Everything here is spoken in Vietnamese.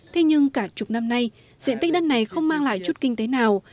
thế nhưng cả chục năm nay diện tích đất này không mang lại chút kinh tế nào